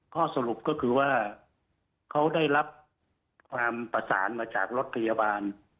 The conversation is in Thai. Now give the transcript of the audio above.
ข้อสรุปก็คือว่าเขาได้รับความประสานมาจากรถพยาบาล